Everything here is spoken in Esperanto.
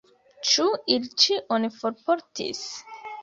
Ĉu ili ĉion forportis?